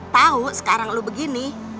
tau sekarang lu begini